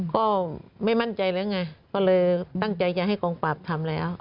ก็ไม่มั่นใจแล้วไงก็เลยตั้งใจจะให้กองปราบทำแล้ว